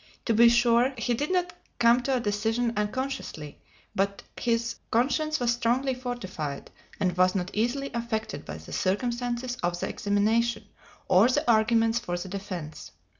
To be sure, he did not come to a decision unconscientiously; but his conscience was strongly fortified and was not easily affected by the circumstances of the examination or the arguments for the defense.